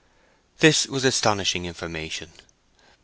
This was astonishing information.